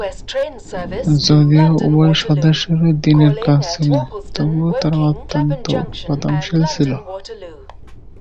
যদিও উভয় সদস্যেরই দিনের কাজ ছিল, তবুও তারা অত্যন্ত উৎপাদনশীল ছিল।